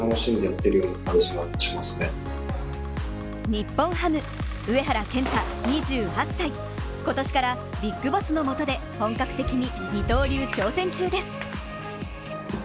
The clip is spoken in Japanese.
日本ハム上原健太２８歳、今年からビッグボスのもとで本格的に二刀流挑戦中です。